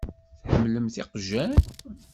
Tḥemmlemt iqjan?